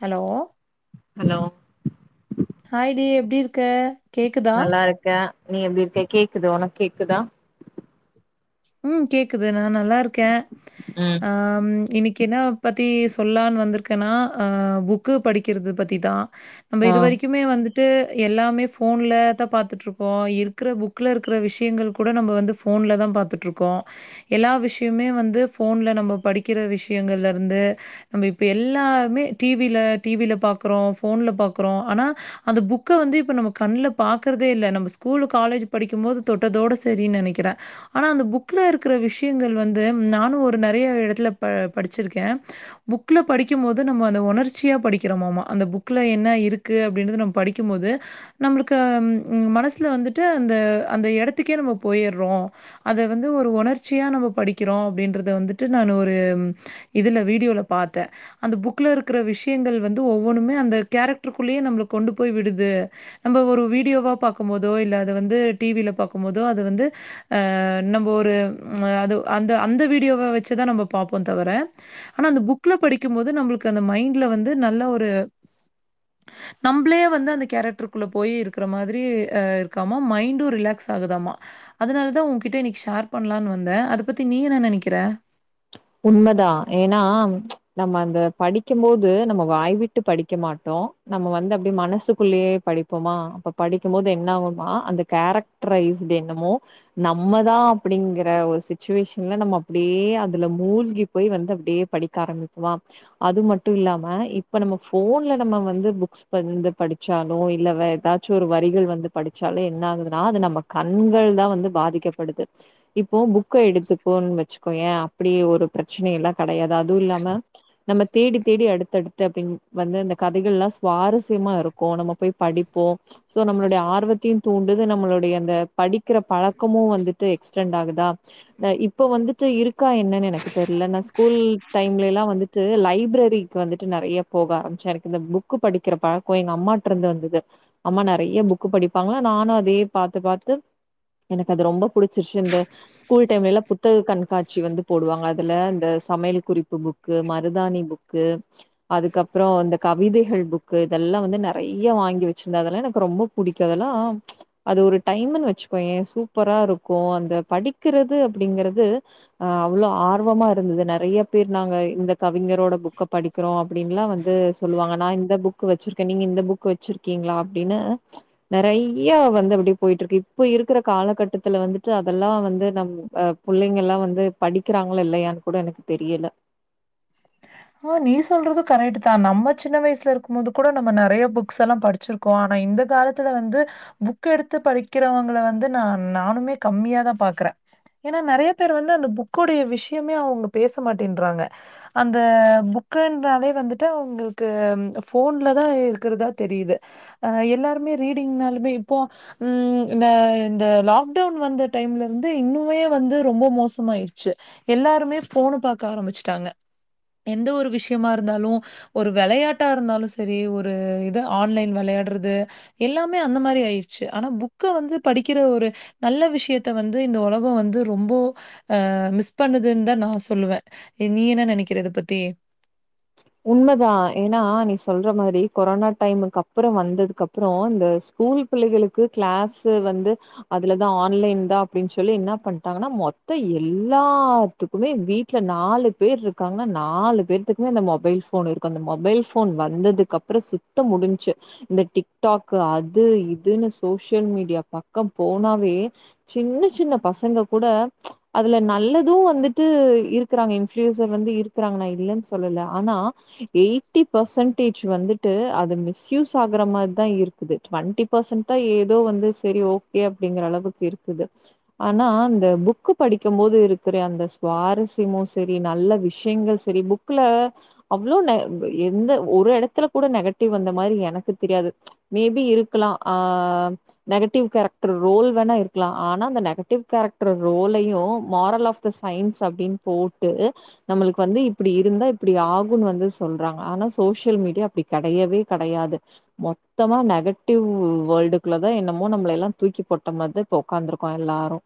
Hello hello ஹாய்டி எப்டி இருக்க கேக்குதா நல்லாருக்கே நீ எப்டி இருக்க கேக்குது ஒனக் கேக்குதா ம் கேக்குது நா நல்லா இருக்கேன் ம் ஆம் இன்னிக் கின்னா பத்தி சொல்லான்னு வந்திருக்கேன்னா ஆ புக்கு படிக்கிறது பத்தி தா நம்ப இது ஆ வரைக்குமே வந்துட் டு எல்லாமே ஃபோன்ல தா பாத்துட்ருக்கோ இருக்குற புக்குல இருக்குற விஷயங்கள் கூட நம்ப வந்து ஃபோன்ல தா பாத்துட் ட்ருகோ எல்லா விஷ்யும்மே வந்து போன்ல நம்ம படிக்கிற விஷ்யங்கள்ல இருந்து நம்ப இப்ப எல்லாமே டி வில டி வில பாக்குறோ போன்ல பாக்குறோ ஆனா அந்த புக்க வந்து இப்ப நம்ம கண்ல பாக்றதே இல்ல நம்ப ஸகூலு காலேஜ்ஜு படிக்கும் போது தொட்டதோட சரின் நெனைக்கிற ஆனா அந்த புக் புக்குல இருக்கிற விஷ்யங்கள் வந்து நானு ஒரு நெறைய எடத்துல ப படிச்சிருக்கே புக்குல படிக்கும் போது நம்ம அந்த ஒணர்ச்சியா படிக்கிறோமாமா அந்த புக்குல என்ன இருக்கு அப்டின்றத நம்ம படிக்கும்போது நம்மளுக்கு மனசில வந்துட்டு அந்த அந்த எடத்துக்கே நம்ம போயிர்ரோ அத வந்து ஒரு ஒணர்ச்சியா நம்ம படிக்கிறோ அப்டின்றத வந்துட்டு நானு ஒரு ம் இதுல வீடியோல பாத்தே அந்த புக்ல இருக்கிற விஷ்யங்கள் வந்து ஒவ்வொன்னுமே அந்த கேரக்ட்ருக்குள்ளேயே நம்மள கொண்டு போய் விடுது நம்ப ஒரு வீடியோவா பாக்கும் போதோ இல்ல அது வந்து டி வில பாக்கும் போதோ அது வந்து ஆ நம்ப ஒரு ச் அது அந்த அந்த வீடியோவ வச்சுதா நம்ப பாப்போந் தவர ஆனா அந்த புக்ல படிக்கும்போது நம்ளுக்கு அந்த மைண்ட்ல வந்து நல்ல ஒரு நம்ப்ளே வந்து அந்த கேரக்ட்ருகுள்ள போயி இருக்கற மாதிரி அ இருக்காமா மைண்டு ரிலாக்ஸ் ஆகுதாமா அதுனாலதா உங்க கிட்ட இன்னக்கி ஷேர் பண்ணலான்னு வந்தே அத பத்தி நீ என்ன நெனக்கிற உண்மதா ஏன்னா ச் நம்ம அந்த படிக்கம்போது நம்ம வாய்விட்டு படிக்க மாட்டோ நம்ம வந்து அப்டி மனசுக்குள்ளேயே படிப்போமா அப்ப படிக்கும் போது என்ன ஆகுன்னா அந்த கேரக்ட்ரைஸ்டு என்னமோ நம்மதா அப்படிங்கற ஒரு சிச்சுவேஷன்ல நம்ம அப்டியே அத அதுல மூழ்கி போய் வந்து அப்டியே படிக்க ஆரம்பிப்போமா அது மட்டு இல்லாம இப்ப நம்ம போன்ல நம்ம வந்து புக்ஸ் வந்து படிச்சாலு இல்ல வேற ஏதாச்சு ஒரு வரிகள் வந்து படிச்சாலு என்ன ஆகுதுன்னா அது நம்ம கண்கள் தா வந்து பாதிக்கப்படுது இப்போ புக்க எடுத்துப்போன்னு வச்சுக்கோயே அப்டி ஒரு பிரச்சனை எல்லா கெடையாது அதுவு இல்லாம நம்ம தேடி தேடி அடுத்தடுத்து அப்டின் வந்து அந்த கதைகள்லா சுவாரஸ்யமா இருக்கு நம்ம போய் படிப்போ ச் சோ நம்மளுடைய ஆர்வத்தையு தூண்டுது நம்மளுடைய அந்த படிக்கிற பழக்கமு வந்துட்டு எக்ஸ்டெண்ட் ஆகுதா இப்போ வந்துட்டு இரு கா என்னன்னு எனக்கு தெர்ல நா ஸ்கூல் டைம்லெலா வந்துட்டு லைப்ரேரிக்கு வந்துட்டு நெறைய போக ஆரம்பிச்சே எனக்கு இந்த புக்கு படிக்கிற பழக்கோ எங்க அம்மாட்டிருந்து வந்தது அம்மா நெறைய புக்கு படிப்பாங்களா நானு அதையே பாத்து பாத்து எனக்கு அது ரொம்ப புடிச்சிருச்சி இந்த ஸ்கூல் டைம்லெல்லா புத்தக கண்காட்ச் சி வந்து போடுவாங்க அதுல இந்த சமையல் குறிப்பு புக்கு மருதானி புக்கு அதுக்கப்புற இந்த கவிதைகள் புக்கு இதெல்லா வந்து நெறைய வாங்கி வச்சிருந்த அதெல்லா எனக்கு ரொம்ப புடிக்கு அதெல்லா ச் அது ஒரு டைம்ன்னு வச்சுக்கோயே சூப்பரா இருக்கு அந்த படிக்கிறது அப்படிங்கறது ஆ அவ்ளோ ஆர்வமா இருந்தது நெறைய பேர் நாங்க இந்த கவிஞரோட புக்க படிக்கிறோ அப்டின்லா வந்து சொல்லுவாங்க நா இந்த புக்கு வச்சிருக்கே நீங்க இந்த புக்கு வச்சிருக்கீங்களா அப்டின்னு ச் நெறைய வந்து அப்டி போயிட்டு இருக்கு இப்ப இருக்குற காலகட்டத்துல வந்துட்டு அதெல்லா வந்து நம் அ புள்ளைங்க எல்லா வந்து படிக்கிறாங்களா இல்லையான்னு கூட எனக்கு தெரியல ஓ நீ சொல்றது கரெட்டுதா நம்ம சின்ன வயசுல இருக்கும் போது கூட நம்ம நெறைய புக்ஸ் எல்லாம் படிச்சிருக்கோ ஆனா இந்த காலத்துல வந்து புக்க எடுத்து படிக்கிறவங்கள வந்து நா நானுமே கம்மியா தா பாக்குறே ஏன்னா நெறைய பேர் வந்து அந்த புக்கோடைய விஷயமே அவுங்க பேச மாட்டேன்றாங்க அந் த புக்குன்றாலே வந்துட்டு அவுங்களுக்கு போன்ல தா இருக்கிறதா தெரியுது அ எல்லாருமே ரீடிங்னாலுமே இப்போ ம் இந்த இந்த லாக்டவுன் வந்த டைம்லருந்து இன்னுமே வந்து ரொம்ப மோசமாயிருச்சு எல்லாருமே ஃபோனு பாக்க ஆரம்பிச்சுட்டாங்க எந்த ஒரு விஷயமா இருந்தாலு ஒரு வெளையாட்டா இருந்தாலு சரி ஒரு இது ஆன்லைன் வெளையாடுறது எல்லாமே அந்த மாரி ஆயிருச்சு ஆனா புக்க வந்து படிக்கிற ஒரு நல்ல விஷயத்த வந்து இந்த ஒலகொ வந்து ரொம்போ அ மிஸ் பண்ணுதுன்னுதா நான் சொல்லுவ ஏ நீ என்ன நெனக்கிற இத பத்தி ச் உண்மதா ஏன்னா நீ சொல்ற மாரி கொரோனா டைமுக்கு அப்புற வந்ததுக்கு அப்றோ இந்த ஸ்கூல் பிள்ளைகளுக்கு கிளாஸ்ஸு வந்து அதுலதா ஆன்லைன் தா அப்டின் சொல்லி இன்னா பண்ட்டாங்கன்னா மொத்த எல்லாத்துக்குமே வீட்ல நாலு பேர் இருக்காங்கன்னா நாலு பேர்துக்குமே அந்த மொ பைல் ஃபோன் இருக்கு அந்த மொபைல் ஃபோன் வந்ததுக்கு அப்புற சுத்த முடிஞ்ச்சு இந்த டிக்டாக்கு அது இதுன்னு சோசியல் மீடியா பக்கம் போனாவே சின்ன சின்ன பசங்க கூட ச் அதுல நல்லது வந்துட்டு இருக்குறாங்க இன்ஃப்ளியூசர் வந்து இருக்குறாங்க நா இல்லேன்னு சொல்லல ஆனா எய்ட்டி பர்சன்டேஜ் வந்துட்டு அது மிஸ்யூஸ் ஆகுற மார்தா இருக்குது டுவெண்ட்டி பர்சன்ட் தா ஏதோ வந்து சரி ஓகே அப்படிங்கிற அளவுக்கு இருக்குது ஆனா இந்த புக்கு படிக்கும் போது இருக்கிற அந்த சுவாரஸ்யமு சரி நல்ல விஷ்யங்கள் சரி புக்ல அவ்ளோ ந எந்த ஒரு எடத்துல கூட நெகட்டிவ் வந்த மாரி எனக்கு தெரியாது ச் மேபி இருக்கலா ஆ நெகட்டிவ் கேரக்டர் ரோல் வேணா இருக்லா ஆனா அந்த நெகட்டிவ் கேரக்டர் ரோலையு மாரல் ஆஃப் த சய்ன்ஸ் அப்டின் போட்டு நம்மளுக்கு வந்து இப்டி இருந்தா இப்டி ஆகுன்னு வந்து சொல்றாங்க ஆனா சோஷியல் மீடியா அப்டி கெடையவே கடையாது மொத்தமா நெகட்டிவ் வேர்ல்டுக்குள்ள தா என்னமோ நம்மள எல்லா தூக்கி போட்ட மார்த இப்ப உக்காந்துருக்கோ எல்லாரு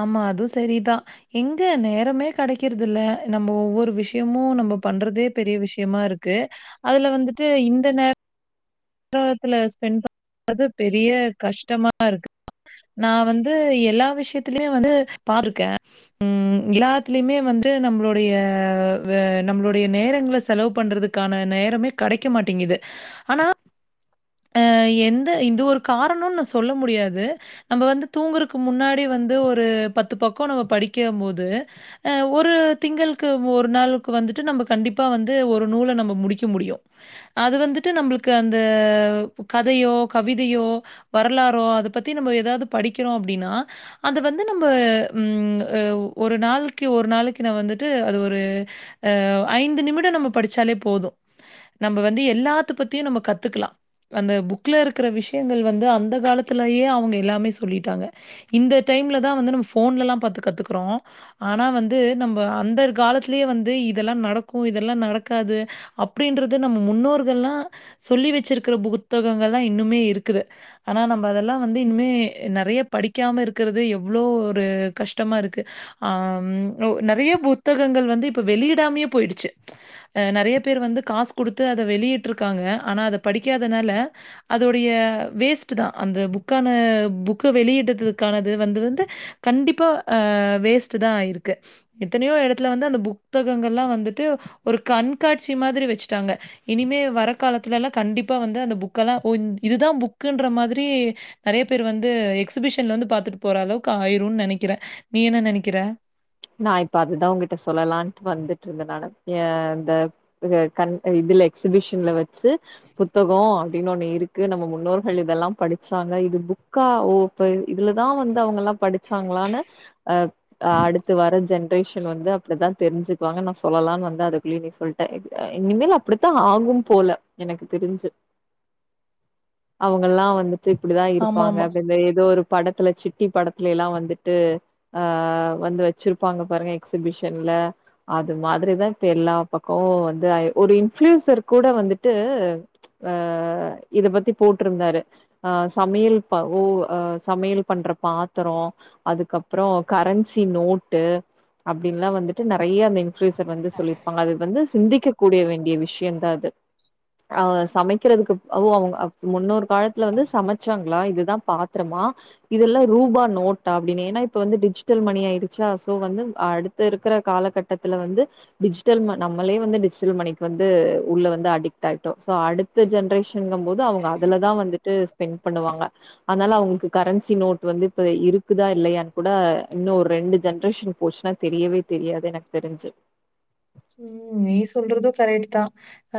ஆமா அது சரிதா எங்க நேரமே கடைக்கிறதுல்ல நம்ப ஒவ்வொரு விஷயமு நம்ப பண்றதே பெரிய விஷ்யமா இருக்கு அதுல வந்துட்டு இந்த நேர த்துல ஸ்பெண்ட் பண்றது பெரிய கஷ்டமா இருக்கு நான் வந்து எல்லா விஷயத்திலயுமே வந்து பாத்ருக்கேன் ம் எல்லாத்திலயுமே வந்து நம்மளுடய நம்மளுோடைய நேரங்களை செலவு பண்றதுக்கான நேரமே கெடக்க மாட்டேங்குது ஆனா அ எந்த இது ஒரு காரணொனு சொல்ல முடியாது நம்ப வந்து தூங்குறக்கு முன்னாடி வந்து ஒரு பத்து பக்கம் நம்ம படிக்கம் போது அ ஒரு திங்களுக்கு ஒரு நாளுக்கு வந்துட்டு நம்ப கண்டிப்பா வந்து ஒரு நூல நம்ப முடிக்க முடியும்‌ அது வந்துட்டு நம்பளுக்கு அந்த கதையோ கவிதையோ வரலாறோ அது பத்தி நம்ப ஏதாவது படிக்கிறோம் அப்டின்னா அத வந்து நம்ப ம் ஒரு நாளைக்கு ஒரு நாளைக்கு நான் வந்துட்டு அது ஒரு அ ஐந்து நிமிடம் நம்ம படிச்சாலே போதும் நம்ப வந்து எல்லாத்த பத்தியும் நம்ப கத்துக்கலாம் அந்த புக்ல இருக்கிற விஷயங்கள் வந்து அந்த காலத்துலயே அவுங்க எல்லாமே சொல்லிட்டாங்க இந்த டைம்ல தான் வந்து நம்ம ஃபோன்லல்லாம் பாத்து கத்துக்கறோ ஆனா வந்து நம்ப அந்தர் காலத்திலயே வந்து இதெல்லா நடக்கும் இதெல்லா நடக்காது அப்டின்றது நம்ம முன்னோர்கள்லா சொல்லி வச்சிருக்கிற புக் புத்தகங்கள்லாம் இன்னுமே இருக்குது ஆனா நம்ப அதெல்லாம் வந்து இன்னுமே நறைய படிக்காம இருக்கிறது எவ்ளோ ஒரு கஷ்டமா இருக்கு அ ம் நறைய புத்தகங்கள் வந்து இப்போ வெளியிடாமையே போயிடுச்சு அ நறைய பேர் வந்து காசு கொடுத்து அத வெளியிட்டுருக்காங்க ஆனா அத படிக்காதனால அதோடைய வேஸ்ட் தான் அந்த புக்கான புக்க வெளியிடுறதுக்கானது வந்து வந்து கண்டிப்பா வேஸ்ட் தான் ஆயிருக்கு எத்தனையோ எடத்துல வந்து அந்த புத்தகங்கள்லா வந்துட்டு ஒரு கண்காட்சி மாதிரி வச்சுட்டாங்க இனிமே வரக்காலத்துல எல்லா கண்டிப்பா வந்து அந்த புக் புக்கலா ஓ இந் இதுதான் புக்குன்ற மாதிரி நறைய பேர் வந்து எக்ஸிபிஷன்ல வந்து பாத்துட்டு போற அளவுக்கு ஆயிருந் நெனக்கிறன் நீ என்ன நெனைக்கிற நான் இப்ப அதுதான் உங்கிட்ட சொல்லலான்ட்டு வந்துட்டுருந்த நானு ய இந்த கண் இதுல எக்ஸிபிஷன்ல வச்சு புத்தகம் அப்டின்னு ஒண்ணு இருக்கு நம்ம முன்னோர்கள் இதெல்லாம் படிச்சாங்க இது புக்கா ஓ ப்ப இதுலதான் வந்து அவுங்கல்லாம் படிச்சாங்களானு அ அடுத் த்து வர ஜென்ரேஷன் வந்து அப்டித்தான் தெரிஞ்சுக்குவாங்க நான் சொல்லலானு வந்த அதுக்குள்ளய நீ சொல்ட்ட இனிமேல் அப்டித்தான் ஆகும் போல எனக்கு தெரிஞ்சு அவுங்கல்லாம் வந்துட் டு இப்டிதான் இருப்பாங்க ஆமாமா. அப்டின்டு ஏதோ ஒரு படத்துல சிட்டி படத்துல எல்லா வந்துட்டு அ வந்து வச்சிருப்பாங்க பாருங்க எக்ஸிபிஷன்ல அது மாதிரிதான் இப்ப எல்லா பக்கமும் வந்து ஒரு இன்ஃபுளுயன்சர் கூட வந்துட்டு‌ ச் அ இத பத்தி போட்ருந்தாரு அ சமையல் ப ஓ சமையல் பண்ற பாத்தரோ அதுக்கப்புறோ கரன்சி நோட் ட்டு அப்டின்ல்லா வந்துட்டு நறைய அந்த இன் ப்ரூயுஸர் வந்து சொல்லியிருப்பாங்க அது வந்து சிந்திக்கக்க கூடிய வேண்டிய விஷயம் தான் அது ஆ சமைக்குறதுக்கு [unintelligible] அவங்க முன்னொரு காலத்துல வந்து சமச்சாங்ளா இதுதா பாத்ரமா இதுல்லா ரூபா நோட்டா அப்டினு ஏனா இப்ப வந்து டிஜிட்டல் மணி ஆயி சா சோ வந்து அடுத்த இருக்ற காலகட்டத்துல வந்து டிஜிட்டல் ம நம்மளே வந்து டிஜிட்டல் மணிக்கு வந்து உள்ள வந்து அடிக்ட்டாயிட்டோ சோ அடுத்த ஜென்ரேஷங்கும்போது அவுங்க அதுலதா வந்துட்டு ஸ்பெண்ட் பண்ணுவாங்க அனால அவுங்ளுக்கு கரன்சி நோட் வந்து இப்ப இருக்குதா இல்லையான் குட இன்னு ஒரெண்டு ஜென்ரேஷன் போச்சுன்னா தெரியவே தெரியாது எனக்கு தெரிஞ்சு ம் நீ சொல்றது கரெட் தா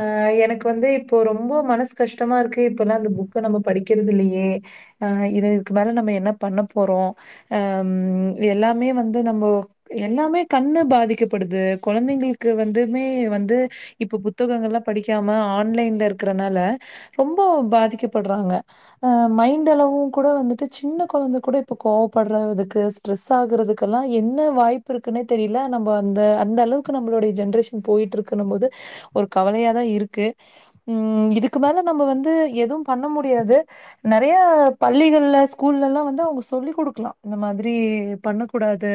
அ எனக்கு வந்து இப்போ ரொம்ப மனச கஷ்டமாருக்கு இப்பலா அந்த புக்க நம்ம படிக்கிறது இல்லையே அ இத இதுக்கு மேல நம்ம என்ன பண்ண போறோ அம் எல்லாமே வந்து நம்போ எல்லாமே கண்ணு பாதிக்கப்படுது கொழந்தைங்களுக் கு வந்துமே வந்து இப்ப புத்தகங்கள்லா படிக்காம ஆன்லைன்ல ருக்றனால ரொம்ப பாதிக்கப்பட்றாங்க ஆ மைண்ட் அளவு குட வந்துட்டு சின்ன கொழந்த குட இப்ப கோவப்பட்ற இதுக்கு ஸ்ட்ரெஸ் ஆகுறதுக்குலா என்ன வாய்ப்புருக்குனே தெரில நம்ம அந்த அந்த அளவுக்கு நம்ளுடைய ஜென்ரேஷன் போய்ட்டு ருக்குன்னு போது ஒரு கவலையா தா இருக்கு‌ ம் இதுக்கு மேல நம்ம வந்து எதும் பண்ண முடியாது நறைய பள்ளிகள்ல ஸ்கூல்லலா வந்து அவங்க சொல்லி குடுக்கலா இந்த மாதிரி பண்ணக்கூடாது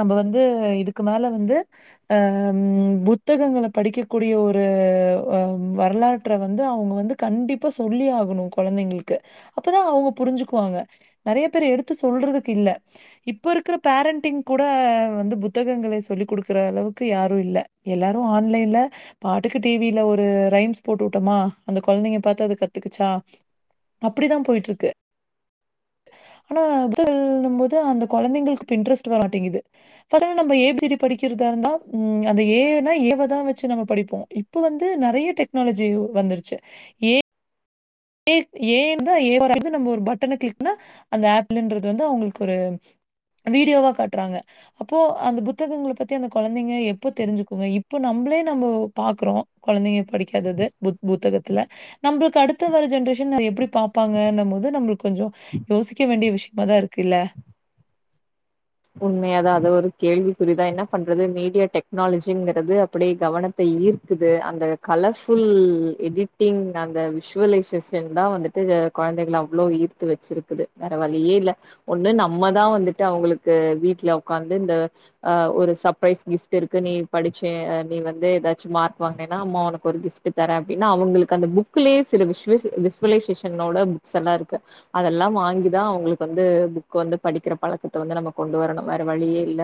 நம்ம வந்து இதுக்கு மேல வந்து அ ம் புத்தகங்கள படிக்கக்கூடிய ஒரு வ வரலாற்ற வந்து அவங்க வந்து கண்டிப்பா சொல்லி ஆகணு கொழந்தைங்களுக்கு அப்பதா அவங்க புரிஞ்சுக்குவாங்க நறைய பேர் எடுத்து சொல்றதுக்கு இல்ல இப்போ இருக்ற பேரண்டிங் கூட வந்து புத்தகங்கள சொல்லி குடுக்கற அளவுக்கு யாரு ரு இல்ல எல்லாரு ஆன்லைன்ல பாட்டுக்கு டிவில ஒரு ரெய்ம்ஸ் போட்டு வுட்டமா அந்த கொழந்தங்க பாத்து அத கத்துகிச்சா அப்டி தா போய்டுருக்கு ஆனா அது [unintelligible] ன்னும் போது அந்த கொழந்தங்களுக்கு இன்டரஸ்ட் வர மாட்டேங்குது இப்பதா நம்ப ஏபிசிடி படிக்கறதாருந்தா ம் அந்த ஏனா ஏவதா வச்சு நம்ம படிப்போ இப்ப வந்து நறைய டெக்னாலஜி வந்துருச்சு ஏ ஏ ஏ இருந்தா [unintelligible] நம்ம ஒரு பட்டன கிள்னா அந்த ஆப்பிலன்றது வந்து அவங்களுக்கு ஒரு வீடியோவா காட்றாங்க அப்போ அந்த புத்தகங்கள் பத்தி அந்த கொழந்தைங்க எப்ப தெரிஞ்சுக்குங்க இப்ப நம்ளே நம்போ பாக்றோ கொழந்தைங்க படிக்காதது புத்தகத்துல நம்ளுக்கு அடுத்து அத்து வர்ர ஜென்ரேஷன் அத எப்டி பாப்பாங்க ன்னும் போது நம்ளுக்கு கொஞ்சோ ரோசிக்க வேண்டிய விஷ்யமாதாருக்கு இல்ல உண்மையா தா அது ஒரு கேள்விக்குறிதா என்ன பண்றது மீடியா டெக்னாலஜிங்றது அப்டே கவனத்த ஈர்க்குது அந்த கலர்ஃபுல் ம் எடிட்டிங் அந்த விஷுவலைசேஷன் தா வந்துட்டு கொழந்தைகள அவ்ளோ ஈர்த்து வச்சிருக்குது வேற வழியே இல்ல ஒன்னு நம்மதா வந்துட்டு அவங்ளுக்கு கு வீட்ல ஒக்காந்து இந்த அ ஒரு சப்ரைஸ் கிஃப்ட் இருக்கு நீ படிச்ச அ நீ வந்து எதாச்சு மார்க் வாங்னேனா அம்மா உனக்கு ஒரு கிஃப்ட் தரே அப்டின்னு அவுங்ளுக்கு அந்த புக்லே சில விசுவேஸ் விஷ்வலைசேஷனோட புக்ஸ் எல்லாருக்கு அதெல்லா வாங்கிதா அவுங்களுக்கு வந்து புக் வந்து படிக்ற பழக்கத்த வந்து கொண்டு வரணு வேற வழியே இல்ல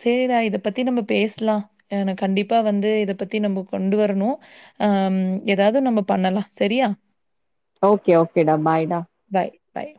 சேரிடா இத பத்தி நம்ம பேசலா கண்டிப்பா வந்து இத பத்தி நம்ம கொண்டு வரணு அ ம் எதாது நம்ம பண்ணலா சரியா ஓகே ஓகேடா பாய்டா பாய், பாய்